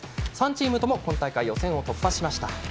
３チームとも今大会予選を突破しました。